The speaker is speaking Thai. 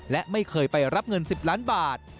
และไม่เคยไปรับเงิน๑๐ล้านบาท